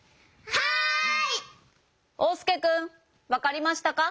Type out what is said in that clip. はい。